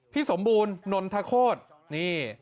พี่สมบูรณ์นนทโฆษณ์นี่